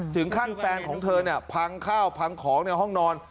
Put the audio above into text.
แฟนของเธอเนี่ยพังข้าวพังของในห้องนอน